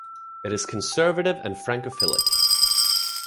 It is conservative and francophilic.